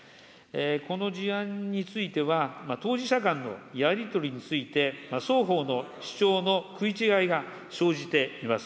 この事案については、当事者間のやり取りについて、双方の主張の食い違いが生じています。